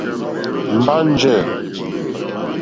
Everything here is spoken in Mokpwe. Mbâ njɛ̂.